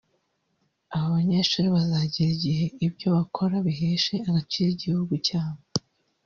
“Aba banyeshuri bazagera igihe ibyo bakora biheshe agaciro igihugu cyabo